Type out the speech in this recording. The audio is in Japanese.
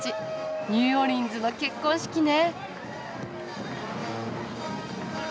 ニューオーリンズの結婚式ね！